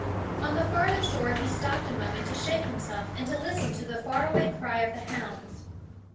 On the farther shore he stopped a moment to shake himself and to listen to the far away cry of the hounds.